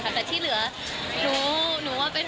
มันแล้วแต่คนคิดค่ะแต่ว่าก็คิดเลย